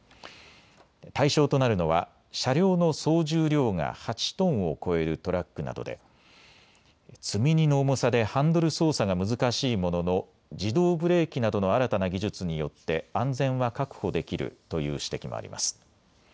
対象となるのは車両の総重量が８トンを超えるトラックなどで積み荷の重さでハンドル操作が難しいものの自動ブレーキなどの新たな技術によって安全は確保できるという指摘もあります。